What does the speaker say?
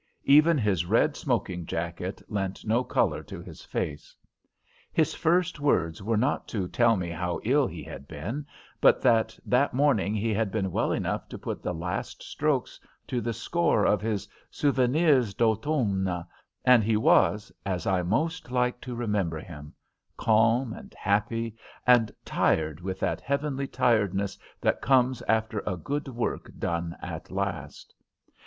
Even his red smoking jacket lent no colour to his face. His first words were not to tell me how ill he had been, but that that morning he had been well enough to put the last strokes to the score of his 'Souvenirs d' Automne,' and he was as I most like to remember him; calm and happy, and tired with that heavenly tiredness that comes after a good work done at last.